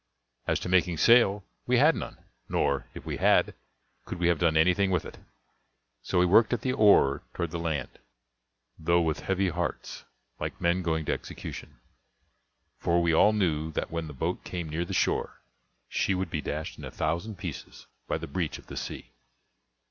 As to making sail, we had none, nor, if we had, could we have done anything with it; so we worked at the oar toward the land, though with heavy hearts, like men going to execution; for we all knew that when the boat came near the shore, she would be dashed in a thousand pieces by the breach of the sea.